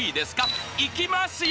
いきますよ！